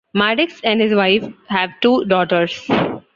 Maddux and his wife have two daughters.